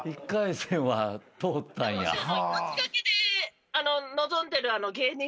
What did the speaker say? １回戦は通ったんや。